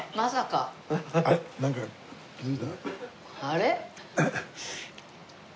あれ？